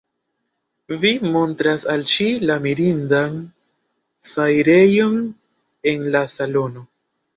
Vi montras al ŝi la mirindan fajrejon en la salono.